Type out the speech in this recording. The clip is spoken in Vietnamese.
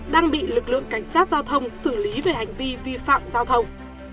đang bị lực lượng cảnh sát giao thông xử lý về hành vi vi phạm giao thông